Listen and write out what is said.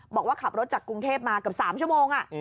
บอกว่าขับรถจากกรุงเทพมาเกือบ๓ชั่วโมง